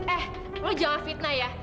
eh gue jangan fitnah ya